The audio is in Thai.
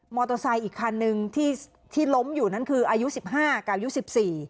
เตอร์ไซค์อีกคันนึงที่ที่ล้มอยู่นั่นคืออายุสิบห้ากับอายุสิบสี่